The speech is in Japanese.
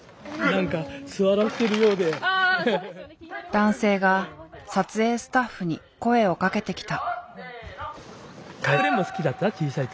男性が撮影スタッフに声をかけてきた。